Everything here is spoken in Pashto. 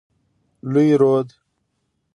لوی رود.